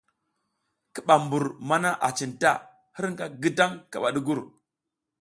Ki ɓa mbur mana a cinta, hirƞga ngidang kaɓa ɗugur.